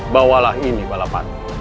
bawalah ini balapati